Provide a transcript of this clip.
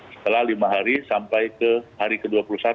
setelah lima hari sampai ke hari ke dua puluh satu